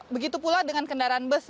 begitu pula dengan kendaraan bus